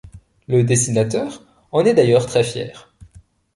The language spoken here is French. Le dessinateur en est d'ailleurs très fier.